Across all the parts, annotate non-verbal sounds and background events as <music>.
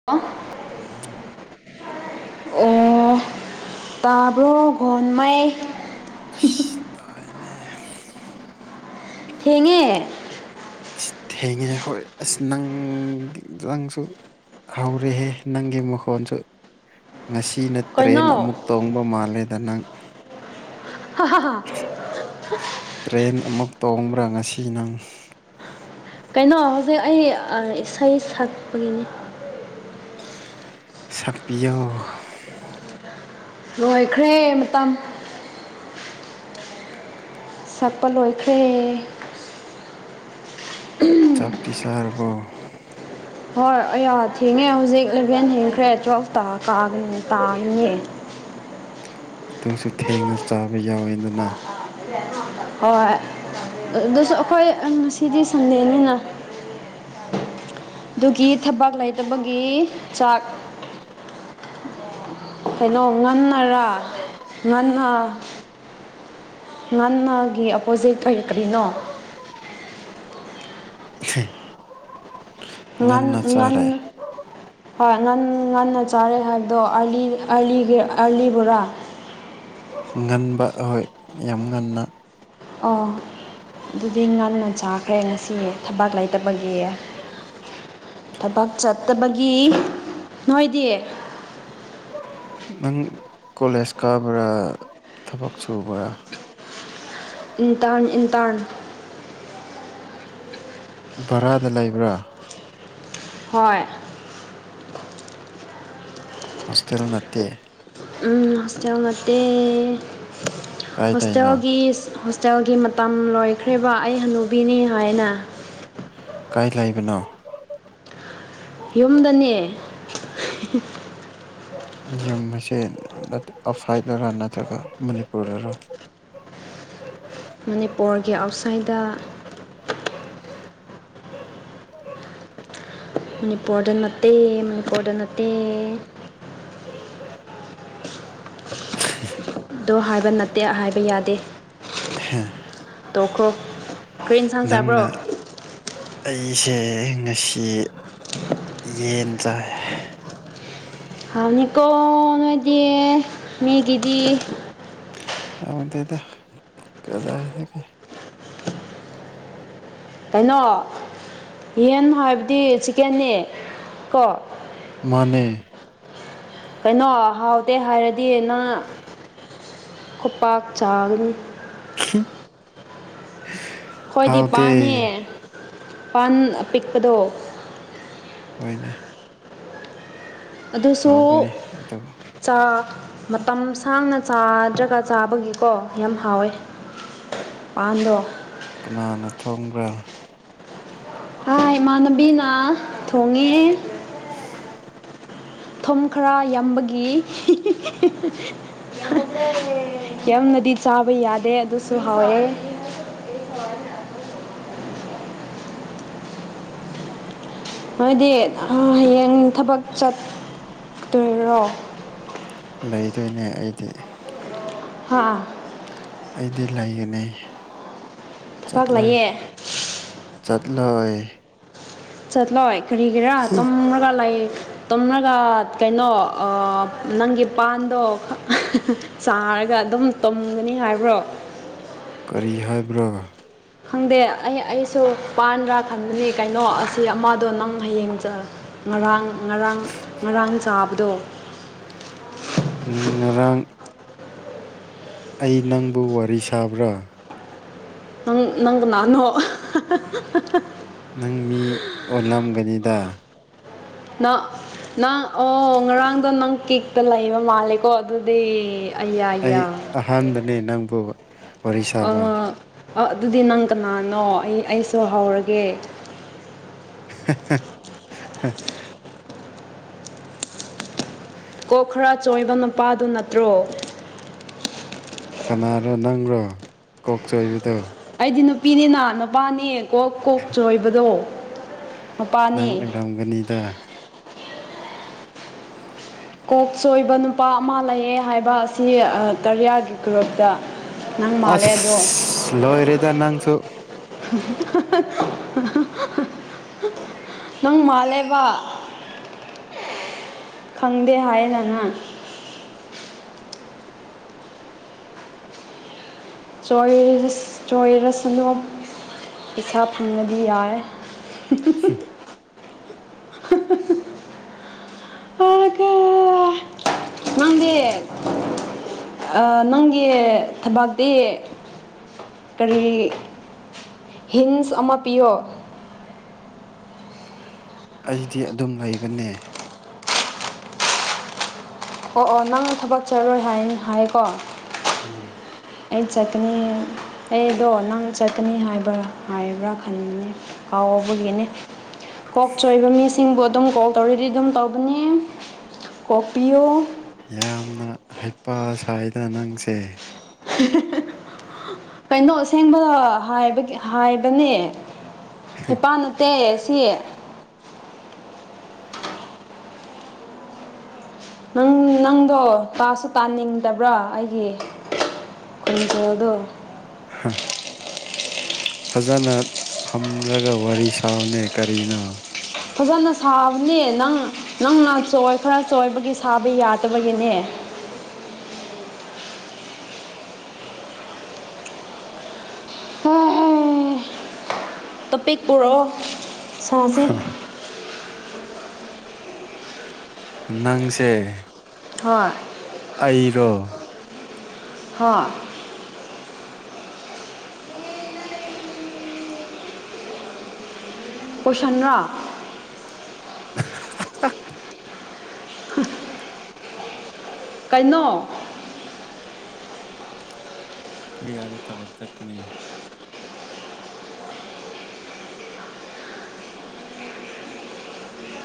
<unintelligible> <inaudible> ꯑꯣ ꯇꯥꯕ꯭ꯔꯣ ꯍꯣꯟꯃꯥꯏ ꯑꯁ ꯇꯥꯏꯅꯦꯍꯦ ꯊꯦꯡꯉꯦ ꯑꯁ ꯊꯦꯡꯉꯦ ꯍꯣꯏ ꯑꯁ ꯅꯪ ꯅꯪꯁꯨ ꯍꯧꯔꯦꯍꯦ ꯅꯪꯒꯤ ꯃꯈꯣꯟꯁꯨ ꯉꯁꯤ ꯅ ꯇ꯭ꯔꯦꯟ ꯀꯩꯅꯣ ꯑꯃꯨꯛ ꯇꯣꯡꯕ ꯃꯥꯜꯂꯦꯗ ꯅꯪ ꯫ <unintelligible> ꯇ꯭ꯔꯦꯟ ꯑꯃꯨꯛ ꯇꯣꯡꯕ꯭ꯔꯥ ꯉꯁꯤ ꯅꯪ ꯫ ꯀꯩꯅꯣ ꯍꯧꯖꯤꯛ ꯑꯩ ꯏꯁꯩ ꯁꯛꯄꯒꯤꯅꯦ ꯁꯞꯄꯤꯌꯣ ꯫ ꯂꯣꯏꯈ꯭ꯔꯦ ꯃꯇꯝ ꯁꯛꯄ ꯂꯣꯏꯈ꯭ꯔꯦ <unintelligible> ꯆꯥꯛꯇꯤ ꯆꯥꯔꯕꯣ ꯫ ꯍꯣꯏ ꯑꯩꯌꯥ ꯊꯦꯡꯉꯦ ꯍꯧꯖꯤꯛ ꯏꯂꯚꯦꯟ ꯍꯤꯡꯈ꯭ꯔꯦ ꯇꯨꯌꯦꯜꯐ ꯇꯥ ꯇꯥꯒꯅꯤꯌꯦ ꯫ ꯑꯗꯨꯁꯨ ꯊꯦꯡꯅ ꯆꯥꯕ ꯌꯥꯎꯋꯦꯗꯅ ꯫ ꯍꯣꯏ ꯑꯗꯨꯁꯨ ꯑꯩꯈꯣꯏ ꯉꯁꯤꯗꯤ ꯁꯟꯗꯦꯅꯤꯅ ꯫ ꯑꯗꯨꯒꯤ ꯊꯕꯛ ꯂꯩꯇꯕꯒꯤ ꯆꯥꯛ ꯫ ꯀꯩꯅꯣ ꯉꯟꯅꯔꯥ ꯉꯟꯅ ꯉꯥꯟꯅꯒꯤ ꯑꯄꯣꯖꯤꯠꯇ ꯑꯣꯏ ꯀꯔꯤꯅꯣ ꯫ <unintelligible> ꯉꯟ ꯉꯟ ꯆꯥꯔꯦ ꯍꯣꯏ ꯉꯟ ꯉꯟꯅ ꯆꯥꯔꯦ ꯍꯥꯏꯕꯗꯣ ꯑꯥꯂꯤ ꯑꯥꯂꯤꯒꯤ ꯑꯥꯂꯤ ꯕꯨꯔꯥ ꯫ ꯉꯟꯕ ꯍꯣꯏ ꯌꯥꯝ ꯉꯟꯅ ꯑꯣ ꯑꯗꯨꯗꯤ ꯉꯟꯅ ꯆꯥꯈ꯭ꯔꯦ ꯉꯁꯤ ꯊꯕꯛ ꯂꯩꯇꯕꯒꯤ ꯫ ꯊꯕꯛ ꯆꯠꯇꯕꯒꯤ ꯅꯣꯏꯗꯤ ꯫ ꯅꯪ ꯀꯣꯂꯦꯖ ꯀꯥꯕ꯭ꯔꯥ ꯊꯕꯛ ꯁꯨꯕ꯭ꯔꯥ ꯫ ꯏꯟꯇꯥꯟ ꯏꯟꯇꯥꯟ <inaudible> ꯕꯔꯥꯗ ꯂꯩꯕ꯭ꯔꯥ ꯍꯣꯏ ꯍꯣꯁꯇꯦꯜ ꯅꯠꯇꯦ ꯎꯝ ꯍꯣꯁꯇꯦꯜ ꯅꯠꯇꯦ ꯀꯥꯏꯗꯩꯅꯣ ꯍꯣꯁꯇꯦꯜꯒꯤ ꯍꯣꯇꯦꯜꯒꯤ ꯃꯇꯝ ꯂꯣꯏꯈ꯭ꯔꯦꯕ ꯑꯩ ꯍꯅꯨꯕꯤꯅꯤ ꯍꯥꯏꯅ ꯀꯥꯏ ꯂꯩꯕꯅꯣ ꯌꯨꯝꯗꯅꯦ ꯌꯨꯝ ꯑꯁꯦ ꯑꯥꯎꯠꯁꯥꯏꯠꯇꯔ ꯅꯠꯇ꯭ꯔꯒ ꯃꯅꯤꯄꯨꯔꯗꯔꯥ ꯃꯅꯤꯄꯨꯔꯒꯤ ꯑꯥꯎꯠꯁꯥꯏꯗꯠꯇ ꯃꯅꯤꯄꯨꯔꯗ ꯅꯠꯇꯦ ꯃꯅꯤꯄꯨꯔꯗ ꯅꯠꯇꯦ ꯗꯣ ꯍꯥꯏꯕ ꯅꯠꯇꯦ ꯍꯥꯏꯕ ꯌꯥꯗꯦ ꯇꯣꯛꯈ꯭ꯔꯣ ꯀꯔꯤ ꯑꯦꯟꯁꯥꯡ ꯆꯥꯕ꯭ꯔꯣ ꯅꯪꯅ ꯑꯩꯁꯦ ꯉꯁꯤ ꯌꯦꯟ ꯆꯥꯏ ꯍꯥꯎꯅꯤꯀꯣ ꯅꯣꯏꯗꯤ ꯃꯤꯒꯤꯗꯤ ꯍꯥꯎꯇꯦꯗ ꯀꯗꯥꯏꯗꯒꯤ ꯀꯩꯅꯣ ꯌꯦꯟ ꯍꯥꯏꯕꯗꯤ ꯆꯤꯛꯀꯦꯟꯅꯦ ꯀꯣ ꯃꯅꯦ ꯀꯩꯅꯣ ꯍꯥꯎꯇꯦ ꯍꯥꯏꯔꯗꯤ ꯅꯪ ꯈꯨꯄꯥꯛ ꯆꯥꯅꯤ <inaudible> ꯈꯣꯏꯗꯤ ꯄꯥꯟꯅꯦ ꯄꯥꯟ ꯑꯄꯤꯛꯄꯗꯣ ꯍꯣꯏꯅꯦ ꯑꯗꯨꯁꯨ ꯍꯥꯎꯒꯅꯤ ꯑꯗꯨꯕꯨ ꯆꯥꯛ ꯃꯇꯝ ꯁꯥꯡꯅ ꯆꯥꯗ꯭ꯔꯒ ꯆꯥꯕꯒꯤꯀꯣ ꯌꯥꯝ ꯍꯥꯎꯋꯦ ꯄꯥꯡꯗ ꯀꯅꯥꯅ ꯊꯣꯡꯕ꯭ꯔꯥ ꯍꯥꯏ ꯏꯃꯥꯟꯅꯕꯤꯅ ꯊꯣꯡꯉꯦ ꯊꯨꯝ ꯈꯔ ꯌꯥꯝꯕꯒꯤ ꯌꯥꯝꯅꯗꯤ ꯆꯥꯕ ꯌꯥꯗꯦ ꯑꯗꯨꯁꯨ ꯍꯥꯎꯋꯦ ꯅꯣꯏꯗꯤ ꯍꯌꯦꯡ ꯊꯕꯛ ꯆꯠ ꯇꯣꯏꯔꯣ ꯂꯩꯗꯣꯏꯅꯦ ꯑꯩꯗꯤ ꯍꯥꯥ ꯑꯩꯗꯤ ꯂꯩꯒꯅꯤ ꯊꯕꯛ ꯆꯠꯂꯣꯏ ꯂꯩꯌꯦ ꯆꯠꯂꯣꯏ ꯆꯠꯂꯣꯏ ꯀ꯭ꯔꯤꯒꯤꯔ ꯇꯨꯝꯃꯒ ꯂꯩ ꯇꯣꯝꯃꯒ ꯀꯩꯅꯣ ꯑ ꯅꯪꯒꯤ ꯄꯥꯟꯗꯣ ꯆꯥꯔꯒ ꯑꯗꯨꯝ ꯇꯨꯝꯒꯅꯤ ꯍꯥꯏꯕ꯭ꯔꯣ ꯀꯔꯤ ꯍꯥꯏꯕ꯭ꯔ ꯈꯪꯗꯦ ꯑꯩ ꯑꯩꯁꯨ ꯄꯥꯟꯗ꯭ꯔꯥ ꯈꯟꯕꯅꯤ ꯀꯩꯅꯣ ꯑꯁꯤ ꯑꯃꯗꯣ ꯅꯪ ꯍꯌꯦꯡꯆ ꯉꯔꯥꯡ ꯉꯔꯥꯡ ꯉꯔꯥꯡ ꯆꯥꯕꯗꯣ ꯎꯝ ꯉꯔꯥꯡ ꯑꯩ ꯅꯪꯕꯨ ꯋꯥꯔꯤ ꯁꯥꯕ꯭ꯔꯥ ꯅꯪ ꯅꯪ ꯀꯅꯅꯣ ꯅꯪ ꯃꯤ ꯑꯣꯜꯂꯝꯒꯅꯤꯗ ꯅ ꯅꯪ ꯑꯣ ꯉꯔꯥꯡꯗꯣ ꯅꯪ ꯀꯦꯛꯇ ꯂꯩꯕ ꯃꯥꯜꯂꯦꯀꯣ ꯑꯗꯨꯗꯤ ꯑꯌꯥ ꯑꯩ ꯑꯌꯥꯥ ꯑꯍꯥꯟꯕꯅꯦ ꯅꯪꯕꯨ ꯋꯥꯔꯤ ꯁꯥꯕ ꯑꯣ ꯑꯣ ꯑꯗꯨꯗꯤ ꯅꯪ ꯀꯅꯥꯅꯣ ꯑꯩ ꯑꯩꯁꯨ ꯍꯧꯔꯒꯦ <inaudible> <inaudible> ꯀꯣꯛ ꯈꯔ ꯆꯣꯏꯕ ꯅꯨꯄꯥꯗꯨ ꯅꯠꯇ꯭ꯔꯣ ꯀꯅꯥꯔꯣ ꯅꯪꯔꯣ ꯀꯣꯛ ꯆꯣꯏꯕꯗꯣ ꯑꯩꯗꯤ ꯅꯨꯄꯤꯅꯤꯅ ꯅꯨꯄꯥꯅꯦ ꯀꯣꯛ ꯀꯣꯛ ꯆꯣꯏꯕꯗꯣ ꯅꯪ ꯃꯄꯥꯅꯤ ꯑꯣꯏꯔꯝꯒꯅꯤꯗ ꯀꯣꯛ ꯁꯣꯏꯕ ꯅꯨꯄꯥ ꯑꯃ ꯂꯩꯌꯦ ꯍꯥꯏꯕ ꯑꯁꯤ ꯀꯔꯤꯌꯥꯒꯤ ꯒ꯭ꯔꯨꯞꯇ ꯅꯪ ꯃꯥꯜꯂꯦ ꯑꯗꯣ ꯑꯁ ꯂꯣ ꯑꯦꯔꯦꯗ ꯅꯅꯥꯪꯁꯨ ꯅꯪ ꯃꯥꯜꯂꯦꯕ ꯈꯪꯗꯦ ꯍꯥꯏꯅꯉ ꯆꯔ ꯆꯣꯏꯔꯁꯗꯣꯝ ꯏꯁꯩꯁꯥ ꯐꯅꯕꯤ ꯌꯥꯏ <inaudible> <inaudible> ꯒ ꯃꯗꯦ ꯅꯪꯒꯤ ꯊꯕꯇꯤ ꯀꯔꯤ ꯍꯤꯟꯁ ꯑꯃ ꯄꯤꯌꯣ ꯑꯩꯗꯤ ꯑꯗꯨꯝ ꯂꯩꯕꯅꯦ ꯑꯣ ꯑꯣ ꯅꯪꯅ ꯊꯕꯛ ꯆꯔꯣꯏ ꯍꯥꯏ ꯍꯥꯏꯀꯣ ꯍ ꯑꯩꯠ ꯆꯀꯅꯤ ꯑꯩꯗꯣ ꯅꯪ ꯆꯠꯀꯅꯤ ꯍꯥꯏꯕ꯭ꯔꯥ ꯍꯥꯏꯕ꯭ꯔꯥ ꯈꯟꯕꯅꯤ ꯍꯥꯎꯕꯒꯤꯅꯦ ꯀꯣꯛ ꯆꯣꯏꯕ ꯃꯤꯁꯤꯡꯕꯨ ꯑꯗꯨꯝ ꯀꯣꯛꯜ ꯇꯧꯔꯗꯤ ꯑꯗꯨꯝ ꯇꯧꯕꯅꯤ ꯀꯣꯛ ꯄꯤꯌꯨ ꯌꯥꯝꯅ ꯍꯩꯄ ꯁ꯭ꯋꯥꯏꯗ ꯅꯪꯁꯦ ꯀꯩꯅꯣ ꯑꯁꯦꯡꯕꯗꯣ ꯍꯥꯏꯕ ꯍꯥꯏꯕꯅꯦ ꯍꯄꯥꯥꯟ ꯅꯠꯇꯦ ꯁꯤ ꯅꯪ ꯅꯪꯗꯣ ꯇꯥꯁꯨ ꯇꯥꯅꯤꯡꯗꯕ꯭ꯔꯥ ꯑꯩꯒꯤ ꯍꯗꯣ ꯍꯝ ꯐꯖꯅ ꯐꯝꯂꯒ ꯋꯥꯔꯤ ꯁꯅꯦ ꯀꯔꯤꯅꯣ ꯐꯖꯅ ꯁꯥꯕꯅꯦ ꯅꯪ ꯅꯪꯅ ꯆꯣꯏ ꯈꯔ ꯆꯣꯏꯕꯒꯤ ꯁꯥꯕ ꯌꯥꯗꯕꯒꯤꯅꯦ ꯑꯣ ꯑꯣ ꯇꯣꯄꯤꯛ ꯄꯨꯔꯛꯑꯣ ꯁꯥꯥꯁꯦ ꯅꯪꯁꯦ ꯍꯣꯏ ꯑꯩꯔꯣ ꯍꯥꯥ ꯀꯣꯏꯁꯟ꯭ꯔꯥ ꯑ ꯀꯥꯏꯩꯅꯣ ꯄꯨꯔꯤꯌꯥꯗ ꯊꯕꯛ ꯆꯠꯀꯅꯤ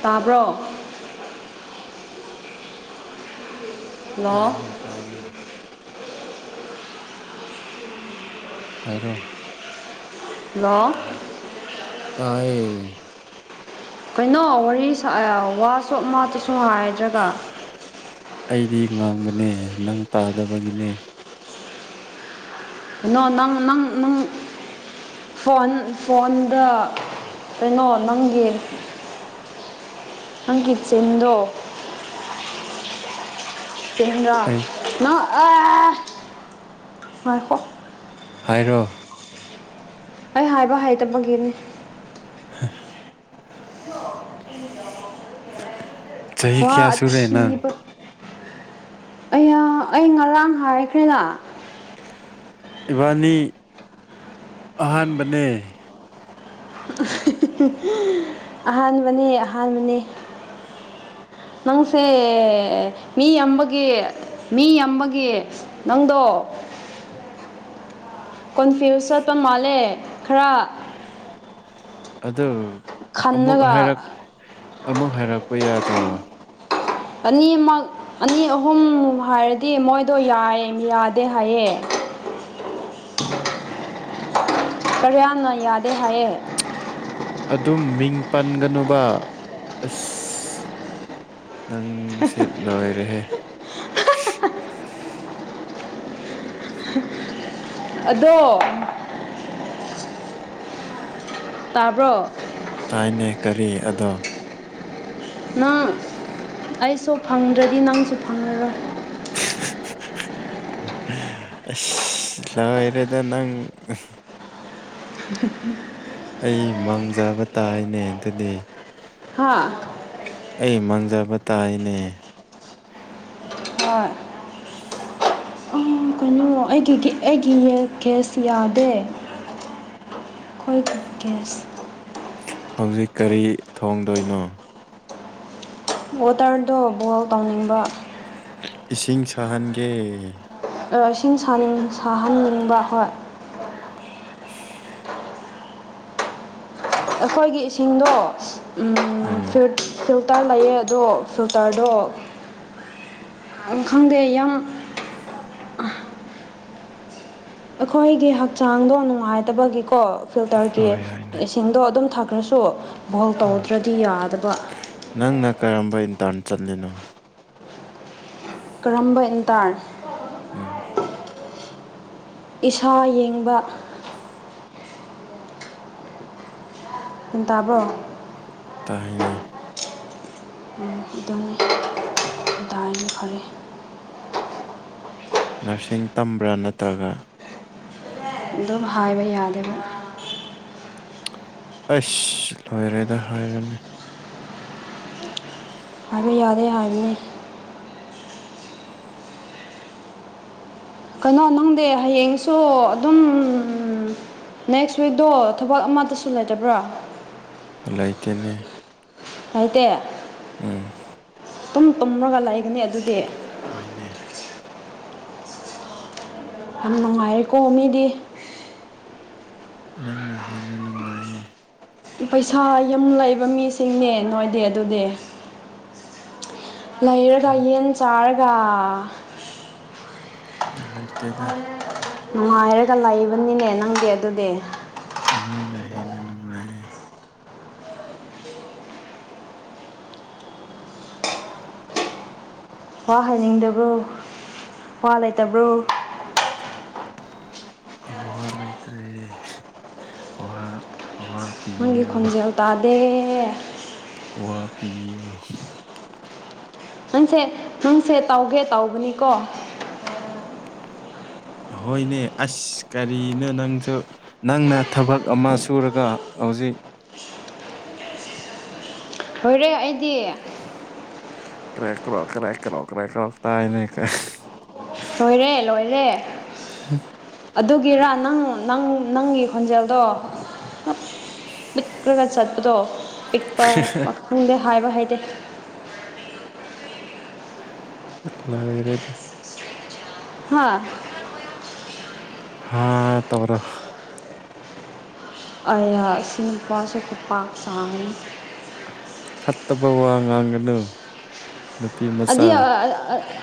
ꯇꯥꯕ꯭ꯔꯣ ꯍꯜꯂꯣ ꯇꯥꯏꯅꯦ ꯇꯥꯏꯅꯦ ꯍꯥꯏꯔꯣ ꯅ ꯇꯥꯏꯌꯦ ꯀꯩꯅꯣ ꯋꯥꯔꯤ ꯋꯥꯁꯣꯞ ꯃꯥꯇꯁꯨ ꯍꯥꯏꯗ꯭ꯔꯒ ꯑꯩꯗꯤ ꯉꯥꯡꯕꯅꯦ ꯅꯪ ꯇꯥꯗꯕꯒꯤꯅꯦ ꯅꯣ ꯅꯪ ꯅꯪ ꯅꯪ ꯐꯣꯟ ꯐꯣꯟꯗ ꯀꯩꯅꯣ ꯅꯪꯒꯤ ꯑꯪꯀꯤꯠ ꯆꯟꯗꯣ ꯀ꯭ꯔ ꯑꯩ ꯅ ꯅꯣꯏꯈꯣ ꯍꯥꯏꯔꯣ ꯑꯩ ꯍꯥꯏꯕ ꯍꯥꯏꯗꯕꯒꯤꯅꯦ <inaudible> ꯆꯍꯤ ꯋꯥ ꯀꯌꯥ ꯁꯨꯔꯦ ꯅꯪ ꯑꯊꯤꯕ ꯑꯌꯥ ꯑꯩ ꯉꯔꯥꯡ ꯍꯥꯏꯈ꯭ꯔꯦꯗ ꯏꯕꯥꯅꯤ ꯑꯍꯥꯟꯕꯅꯦ ꯑꯍꯥꯟꯕꯅꯦ ꯑꯍꯥꯟꯕꯅꯦ ꯅꯪꯁꯦ ꯃꯤꯌꯝꯕꯒꯤ ꯃꯤ ꯌꯝꯕꯒꯤ ꯅꯪꯗꯣ ꯀꯣꯟꯐ꯭ꯌꯨꯁ ꯆꯠꯄ ꯃꯥꯜꯂꯦ ꯈꯔ ꯑꯗꯨ ꯑꯃꯨꯛ ꯈꯜꯂꯒ ꯍꯥꯏꯔꯛ ꯑꯃꯨꯛ ꯍꯥꯏꯔꯛꯄ ꯌꯥꯗ꯭ꯔꯣ ꯑꯅꯤꯃꯛ ꯑꯅꯤ ꯑꯍꯨꯝ ꯍꯥꯏꯔꯗꯤ ꯃꯣꯏꯗꯣ ꯌꯥꯏ ꯌꯥꯗꯦ ꯍꯥꯏꯌꯦ ꯀꯔꯤꯅ ꯌꯥꯗꯦ ꯍꯥꯏꯌꯦ ꯑꯗꯨꯝ ꯃꯤꯡ ꯄꯟꯒꯅꯨꯕ ꯑꯁ ꯅꯪ ꯁꯦ ꯂꯣꯏꯔꯦꯍꯦ ꯑꯗꯣ ꯇꯥꯕ꯭ꯔꯣ ꯇꯥꯏꯅꯦ ꯀꯔꯤ ꯑꯗꯣ ꯅꯪ ꯑꯩꯁꯨ ꯐꯪꯗ꯭ꯔꯗꯤ ꯅꯪꯁꯨ ꯐꯪꯉꯔꯣꯏ ꯑꯁ ꯂꯣꯏꯔꯦꯗ ꯅꯪ <inaudible> ꯑꯩ ꯃꯪꯖꯕ ꯇꯥꯏꯅꯦ ꯑꯗꯨꯗꯤ ꯍꯥꯥ ꯑꯩ ꯃꯥꯡꯖꯕ ꯇꯥꯏꯅꯦ ꯍꯣꯏ ꯀꯩꯅꯨ ꯑꯩꯒꯤ ꯑꯩꯒꯤ ꯒꯦꯁ ꯌꯥꯗꯦ ꯈꯣꯏ ꯒꯦꯁ ꯍꯧꯖꯤꯛ ꯀꯔꯤ ꯊꯣꯡꯗꯣꯏꯅꯣ ꯋꯥꯇꯔꯗꯣ ꯕꯣꯏꯜ ꯇꯧꯅꯤꯡꯕ ꯏꯁꯤꯡ ꯁꯥꯍꯟꯒꯦ ꯏꯁꯤꯡ ꯁꯥꯅꯤꯡ ꯁꯥꯍꯟꯅꯤꯡꯕ ꯍꯣꯏ <inaudible> ꯑꯩꯈꯣꯏꯒꯤ ꯏꯁꯤꯡꯗꯣ ꯎꯝ ꯐ꯭ꯔꯨꯠ ꯐꯤꯜꯇꯔ ꯂꯩꯌꯦ ꯑꯗꯣ ꯐꯤꯜꯇꯔꯗꯣ ꯈꯪꯗꯦ ꯌꯥꯝ ꯑꯩꯈꯣꯏꯒꯤ ꯍꯛꯆꯥꯡꯗꯣ ꯅꯨꯡꯉꯥꯏꯇꯕꯒꯤꯀꯣ ꯐꯤꯜꯇꯔꯒꯤ ꯍꯣꯏ ꯍꯣꯏꯅꯦ ꯁꯤꯡꯗꯣ ꯑꯗꯨꯝ ꯊꯛꯈ꯭ꯔꯁꯨ ꯕꯣꯜ ꯎꯝ ꯇꯧꯗ꯭ꯔꯗꯤ ꯌꯥꯗꯕ ꯅꯪꯅ ꯀꯔꯝꯕ ꯏꯟꯇꯔꯟ ꯆꯠꯂꯤꯅꯣ ꯀꯔꯝꯕ ꯏꯟꯇꯥꯔ ꯎꯝ ꯏꯁꯥ ꯌꯦꯡꯕ <inaudible> ꯍꯟꯇꯕꯣ ꯇꯥꯏꯌꯦꯅꯦ <unintelligible> ꯅꯔꯁꯤꯡ ꯇꯝꯕ꯭ꯔꯥ ꯅꯠꯇ꯭ꯔꯒ ꯑꯗꯨꯝ ꯍꯥꯏꯕ ꯌꯥꯗꯕ ꯑꯁ ꯂꯣꯏꯔꯦꯗ ꯍꯥꯏꯔꯣꯅꯦ ꯍꯥꯏꯕ ꯌꯥꯗꯦ ꯍꯥꯏꯕꯅꯤ ꯀꯩꯅꯣ ꯅꯪꯗꯤ ꯍꯌꯦꯡꯁꯨ ꯑꯗꯨꯝ ꯅꯦꯛꯁ ꯋꯤꯛꯗꯣ ꯊꯕꯛ ꯑꯃꯠꯇꯁꯨ ꯂꯩꯇꯕ꯭ꯔꯥ ꯂꯩꯇꯦꯅꯤ ꯂꯩꯇꯦ ꯎꯝ ꯇꯨꯝ ꯇꯨꯝꯔꯒ ꯂꯩꯕꯅꯤ ꯑꯗꯨꯗꯤ ꯍꯣꯏꯅꯦ ꯌꯥꯝ ꯅꯨꯡꯉꯥꯏꯔꯦꯀꯣ ꯃꯤꯗꯤ ꯅꯪꯅ ꯍꯦꯟꯅ ꯅꯨꯡꯉꯥꯏꯌꯦ ꯄꯩꯁꯥ ꯌꯥꯝ ꯂꯩꯕ ꯃꯤꯁꯤꯡꯅꯦ ꯅꯣꯏꯗꯤ ꯑꯗꯨꯗꯤ ꯂꯩꯔꯒ ꯌꯦꯟ ꯆꯥꯔꯒ ꯂꯩꯇꯦꯗ ꯅꯨꯡꯉꯥꯏꯔꯒ ꯂꯩꯕꯅꯤꯅꯦ ꯅꯪꯗꯤ ꯑꯗꯨꯗꯤ ꯅꯣꯏꯅ ꯍꯦꯟꯅ ꯅꯨꯡꯉꯥꯏꯌꯦ <inaudible> ꯋꯥ ꯍꯩꯅꯤꯡꯗꯕ꯭ꯔꯣ ꯋꯥ ꯂꯩꯇꯕ꯭ꯔꯣ ꯋꯥ ꯂꯩꯇ꯭ꯔꯦ ꯋꯥꯍ ꯑꯋꯥ ꯅꯪꯒꯤ ꯄꯤꯕꯤꯌꯨ ꯈꯣꯟꯖꯦꯜ ꯇꯥꯗꯦ ꯋꯥ ꯄꯤꯕꯤꯌꯨ ꯅꯪꯁꯦ ꯅꯪꯁꯦ ꯇꯧꯒꯦ ꯇꯧꯕꯅꯤꯀꯣ ꯍꯣꯏꯅꯦ ꯑꯁ ꯀꯔꯤꯅꯣ ꯅꯪꯁꯨ ꯅꯪꯅ ꯊꯕꯛ ꯑꯃ ꯁꯨꯔꯒ ꯍꯧꯖꯤꯛ ꯂꯣꯏꯔꯦ ꯑꯩꯗꯤ ꯀ꯭ꯔꯦꯛ ꯀ꯭ꯔꯣꯛ ꯀ꯭ꯔꯦꯛ ꯀ꯭ꯔꯣꯛ ꯀ꯭ꯔꯦꯛ ꯀ꯭ꯔꯣꯛ ꯇꯥꯏꯅꯦ ꯂꯣꯏꯔꯦ ꯂꯣꯏꯔꯦ ꯑꯗꯨꯒꯤꯔꯥ ꯅꯪ ꯅꯪ ꯅꯪꯒꯤ ꯈꯣꯟꯖꯦꯜꯗꯣ ꯄꯤꯛꯈ꯭ꯔꯒ ꯆꯠꯄꯗꯣ ꯄꯤꯛꯄ ꯈꯪꯗꯦ ꯍꯥꯏꯕ ꯍꯩꯇꯦ ꯂꯥꯏꯔꯦ ꯍꯥꯥ ꯍꯥꯥ ꯇꯧꯔꯣ ꯑꯌꯥ ꯁꯤ ꯅꯨꯄꯥꯁꯦ ꯈꯨꯄꯥꯛ <unintelligible> ꯐꯠꯇꯕ ꯋꯥ ꯉꯥꯡꯒꯅꯨ ꯅꯨꯄꯤ ꯃꯆꯥ <unintelligible>